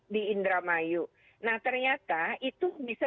di indramayu nah ternyata itu bisa